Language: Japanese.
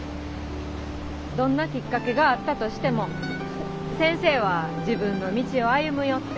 どんなきっかけがあったとしても先生は自分の道を歩むよって。